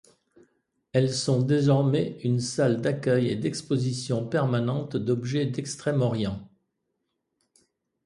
Elles sont désormais une salle d'accueil et d'exposition permanentes d'objets d'Extrême-Orient.